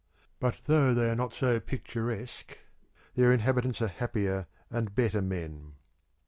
But though they are not so picturesque, their inhabitants are happier and better men.